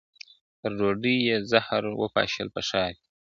پر ډوډۍ یې زهر وپاشل په ښار کي,